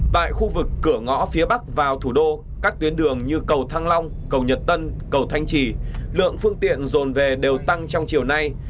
tại khu vực cửa ngõ phía bắc vào thủ đô các tuyến đường như cầu thăng long cầu nhật tân cầu thanh trì lượng phương tiện dồn về đều tăng trong chiều nay